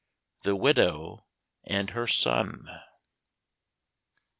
THE WIDOW AND HER SON.